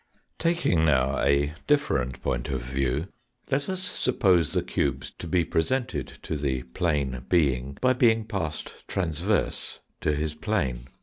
Taking now a different point of view, let us suppose the cubes to be presented to the plane being by being passed transverse to his plane.